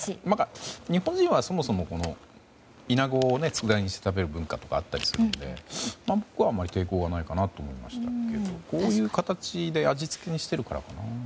日本人はそもそもイナゴを佃煮にして食べる文化とかあるのでまあ抵抗はないかなと思いましたけどこういう形で味付けしているからかな。